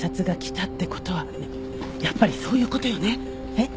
えっ？